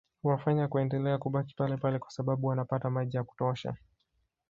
Huwafanya kuendelea kubaki palepale kwa sababu wanapata maji ya kutosha